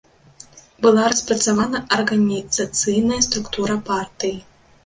Была распрацавана арганізацыйная структура партыі.